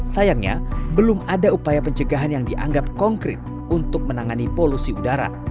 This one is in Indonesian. sayangnya belum ada upaya pencegahan yang dianggap konkret untuk menangani polusi udara